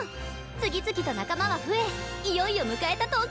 次々と仲間は増えいよいよ迎えた東京大会！